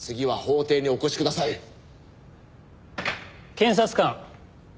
検察官。